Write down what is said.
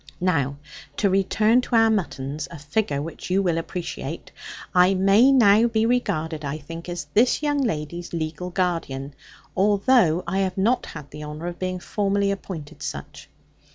Now, to return to our muttons a figure which you will appreciate I may now be regarded, I think, as this young lady's legal guardian; although I have not had the honour of being formally appointed such.